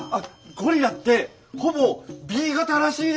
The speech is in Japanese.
ゴリラってほぼＢ型らしいですよ。